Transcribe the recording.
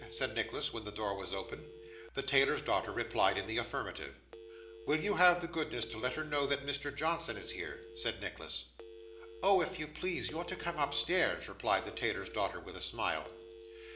said Nicholas, when the door was opened. The tailor's daughter replied in the affirmative. 'Will you have the goodness to let her know that Mr. Johnson is here?' said Nicholas. 'Oh, if you please, you're to come upstairs,' replied the tailor's daughter, with a smile.